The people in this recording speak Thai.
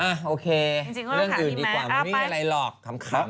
โอเคเรื่องอื่นดีกว่ามันไม่มีอะไรหรอกขำ